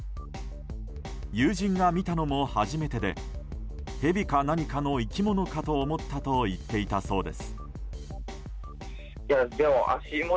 友人が見たのも初めてでヘビか何かの生き物かと思ったと言っていたそうです。